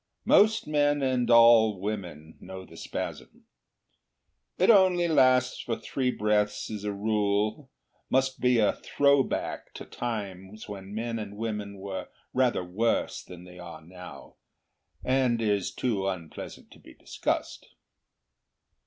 Most men and all women know the spasm. It only lasts for three breaths as a rule, must be a 'throw back' to times when men and women were rather worse than they are now, and is too unpleasant to be discussed.